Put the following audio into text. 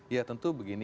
ya tentu begini